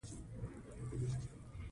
غوښې د افغانستان د بشري فرهنګ برخه ده.